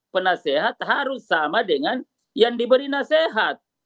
penasehat harus sama dengan yang diberi nasihat